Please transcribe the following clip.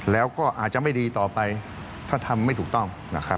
แล้วก็อาจจะไม่ดีต่อไปถ้าทำไม่ถูกต้องนะครับ